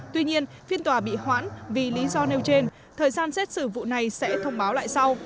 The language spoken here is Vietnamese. tuy nhiên phiên tòa bị hoãn vì lý do nêu trên thời gian xét xử vụ này sẽ thông báo lại sau